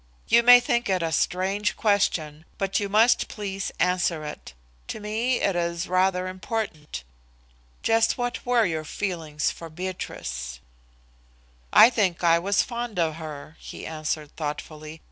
"You may think it a strange question, but you must please answer it. To me it is rather important. Just what were your feelings for Beatrice?" "I think I was fond of her," he answered thoughtfully.